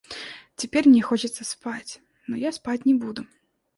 Теперь мне хочется спать, но я спать не буду.